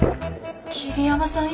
桐山さん